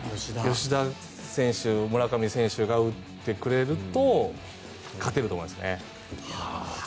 吉田選手、村上選手が打ってくれると勝てると思いますね。